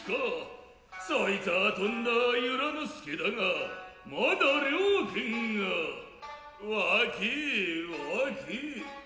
そいつァ飛んだ由良之助だがまだ了簡が若え若え。